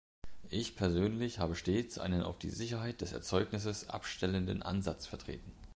Ich persönlich habe stets einen auf die Sicherheit des Erzeugnisses abstellenden Ansatz vertreten.